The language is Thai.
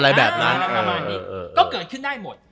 อะไรแบบนั้นก็เกิดขึ้นได้หมด